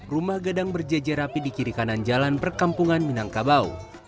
rumah gadang berjejer rapi di kiri kanan jalan perkampungan minangkabau